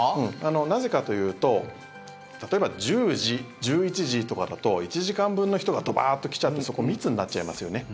なぜかというと例えば１０時、１１時とかだと１時間分の人がドバーッと来ちゃってそこ、密になっちゃいますよね。